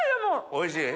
おいしい？